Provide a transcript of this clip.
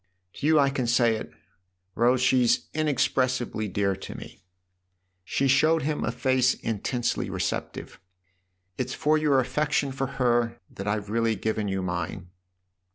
" To you I can say it, Rose she's inex pressibly dear to me." She showed him a face intensely receptive. " It's for your affection for her that I've really given you mine."